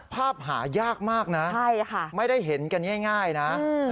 ภาพหายากมากนะไม่ได้เห็นกันง่ายนะ